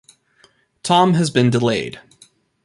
Tom has been delayed.